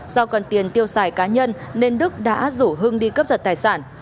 do cần tiền tiêu xài cá nhân nên đức đã rủ hưng đi cướp giật tài sản